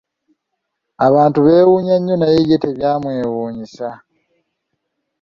Abantu beewunnya nnyo naye ye tebyamwewuunyisa!